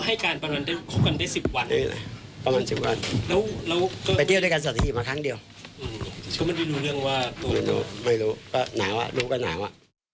ไม่รู้ไม่รู้ก็หนาว่ะรู้ก็หนาว่ะ